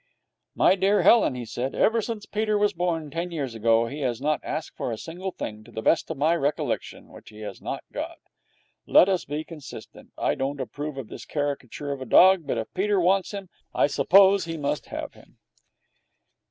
'My dear Helen,' he said, 'ever since Peter was born, ten years ago, he has not asked for a single thing, to the best of my recollection, which he has not got. Let us be consistent. I don't approve of this caricature of a dog, but if Peter wants him, I suppose he must have him.'